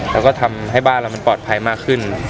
แล้วก็ทำให้บ้านเรามันปลอดภัยมากขึ้น